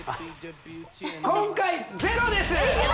今回ゼロです